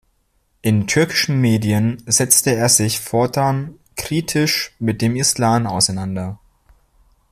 In türkischen Medien setzte er sich fortan kritisch mit dem Islam auseinander.